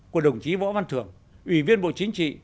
của đồng chí võ văn thưởng ủy viên bộ chính trị